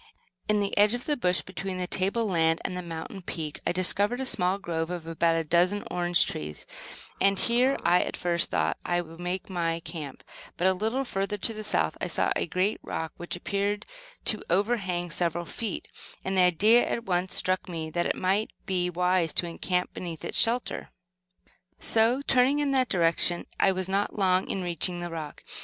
In the edge of the bush between the table land and the mountain peak, I discovered a small grove of about a dozen orange trees, and here I at first thought that I would make my camp; but a little further to the south I saw a great rock, which appeared to over hang several feet; and the idea at once struck me that it might be wise to encamp beneath its shelter. So, turning in that direction I was not long in reaching the rock.